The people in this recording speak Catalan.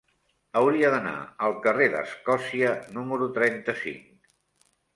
Hauria d'anar al carrer d'Escòcia número trenta-cinc.